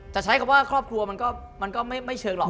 ใช้คำว่าครอบครัวมันก็ไม่เชิงหรอก